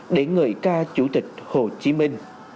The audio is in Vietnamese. để người ca chủ tịch hồ chí minh